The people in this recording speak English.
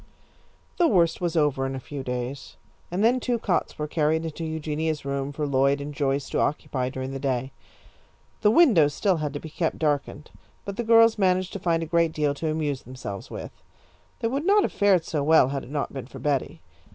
The worst was over in a few days, and then two cots were carried into Eugenia's room for Lloyd and Joyce to occupy during the day. The windows still had to be kept darkened, but the girls managed to find a great deal to amuse themselves with. They would not have fared so well had it not been for Betty.